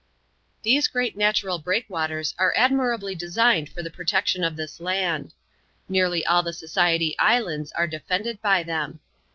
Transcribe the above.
These great natural breakwaters are admirably designed for the protection of this land. Nearly all the Society Islands are defended by them.